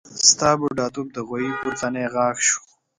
ستا بډاتوب د غوايي پورتنی غاښ شو.